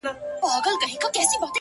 چي ورته سر ټيټ كړمه - وژاړمه-